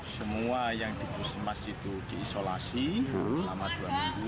semua yang di puskesmas itu diisolasi selama dua minggu